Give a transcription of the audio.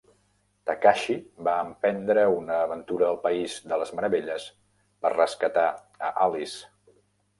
Takashi va emprendre una aventura al país de les meravelles per rescatar a Alice.